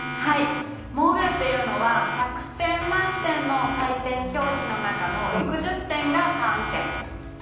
モーグルというのは１００点満点の採点競技の中で６０点がターン点。